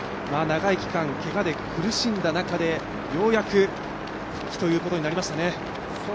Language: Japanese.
長い期間、けがで苦しんだ中でようやく復帰ということになりましたね。